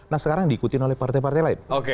nah sekarang diikuti oleh partai partai lain